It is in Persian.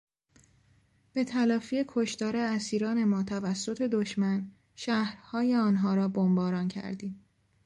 به تلافی کشتار اسیران ما توسط دشمن، شهرهای آنها را بمباران کردیم.